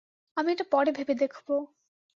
আমি এটা পরে ভেবে দেখব।